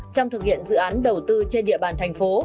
trong thực hiện dự án đầu tư trên địa bàn tp